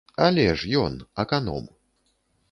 Але ж, ён, аканом.